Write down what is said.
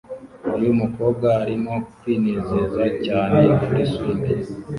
Uyu mukobwa arimo kwinezeza cyane kuri swing!